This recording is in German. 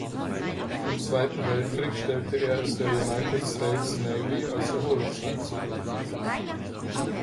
Im Zweiten Weltkrieg stellte er es der United States Navy als Erholungsheim zu Verfügung.